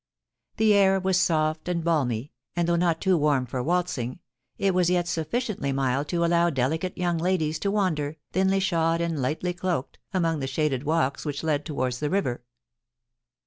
The air was soft and balmy, and though not too warm for waltzing, it was yet sufficiently mild to allow delicate young ladies to wander, thinly shod and lightly cloaked, among the shaded walks which led towards the river.